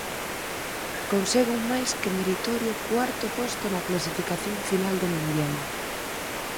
Consegue un máis que meritorio cuarto posto na clasificación final do mundial.